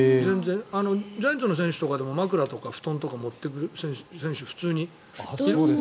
ジャイアンツの選手とかも枕とか布団とかを持っていく選手普通にいました。